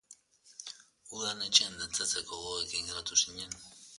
Udan etxean dantzatzeko gogoekin geratu zinen.